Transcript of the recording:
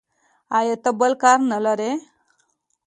ایا ته بل کار نه لرې.